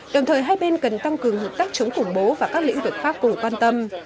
đồng thời hai bên cần tăng cường hợp tác chống khủng bố và các lĩnh vực khác cùng quan tâm